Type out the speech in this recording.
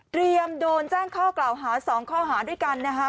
เตรียมโดนแจ้งข้อกล่าวหาสองข้อหาด้วยกันนะครับ